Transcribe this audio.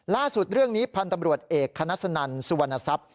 ล่าสุดเรื่องนี้พันธ์ตำรวจเอกคณสนันสุวรรณทรัพย์